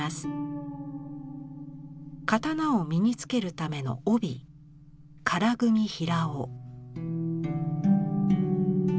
刀を身につけるための帯「唐組平緒」。